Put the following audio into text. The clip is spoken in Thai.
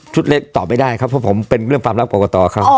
เล็กตอบไม่ได้ครับเพราะผมเป็นเรื่องความรักกรกตเขา